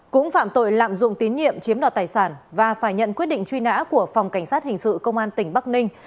cũng phạm tội lạm dụng tín nhiệm chiếm đoạt tài sản và phải nhận quyết định truy nã của phòng cảnh sát hình sự công an tỉnh bắc ninh